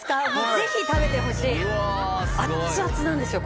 ぜひ食べてほしいあっつあつなんですよ